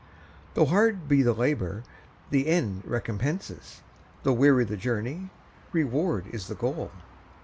Though hard be the labour, the end recompenses Though weary the journey, reward is the goal.